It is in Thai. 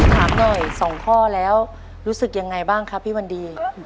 ถามหน่อย๒ข้อแล้วรู้สึกยังไงบ้างครับพี่วันดี